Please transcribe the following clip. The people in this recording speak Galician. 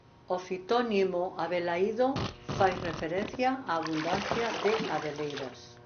O fitónimo Abelaído fai referencia á abundancia de abeleiras.